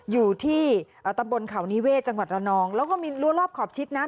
อยู่ที่ตำบลเขานิเวศจังหวัดระนองแล้วก็มีรัวรอบขอบชิดนะ